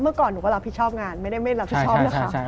เมื่อก่อนหนูก็รับผิดชอบงานไม่ได้ไม่รับผิดชอบนะคะ